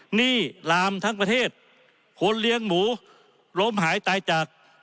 หนี้ลามทั้งประเทศคนเลี้ยงหมูล้มหายตายจาก